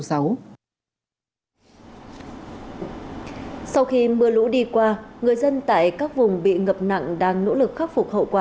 sau khi mưa lũ đi qua người dân tại các vùng bị ngập nặng đang nỗ lực khắc phục